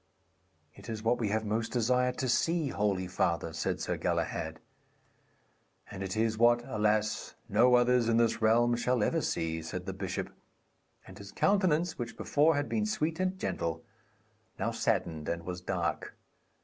'It is what we have most desired to see, holy father,' said Sir Galahad. 'And it is what, alas, no others in this realm shall ever see,' said the bishop; and his countenance, which before had been sweet and gentle, now saddened and was dark.